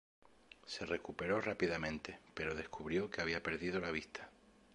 Se recuperó rápidamente pero descubrió que había perdido la vista.